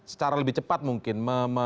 secara lebih cepat mungkin